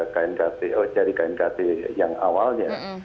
knkt eh dari knkt yang awalnya